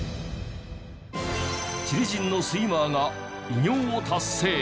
チリ人のスイマーが偉業を達成！